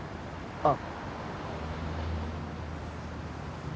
あっ